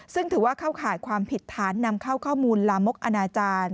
ซึ่งถือว่าเข้าข่ายความผิดฐานนำเข้าข้อมูลลามกอนาจารย์